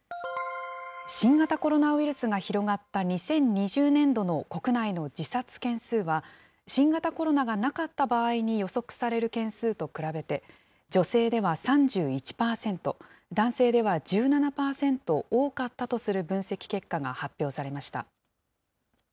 新型コロナウイルスが広がった２０２０年度の国内の自殺件数は、新型コロナがなかった場合に予測される件数と比べて、女性では３１％、男性では１７％多かったとする分析結果が発表されました。